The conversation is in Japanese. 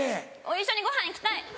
一緒にごはん行きたい。